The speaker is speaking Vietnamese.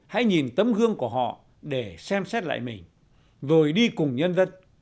hãy nhìn tấm gương của họ để xem xét lại mình rồi đi cùng nhân dân